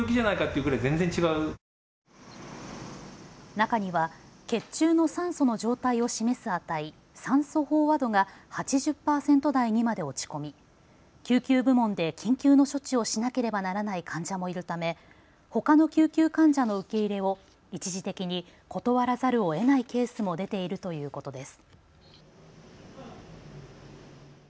中には血中の酸素の状態を示す値、酸素飽和度が８０％台にまで落ち込み救急部門で緊急の処置をしなければならない患者もいるためほかの救急患者の受け入れを一時的に断らざるをえないケースも出ているということです。